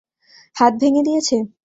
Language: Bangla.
হাত ভেঙ্গে দিয়েছে?